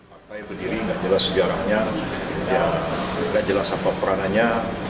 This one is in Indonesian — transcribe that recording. partai berdiri nggak jelas sejarahnya nggak jelas apa perananya